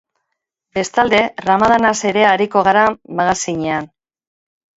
Bestalde, ramadanaz ere ariko gara magazinean.